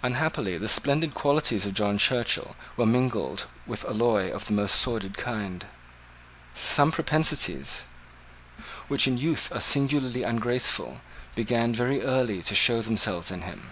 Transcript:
Unhappily the splendid qualities of John Churchill were mingled with alloy of the most sordid kind. Some propensities, which in youth are singularly ungraceful, began very early to show themselves in him.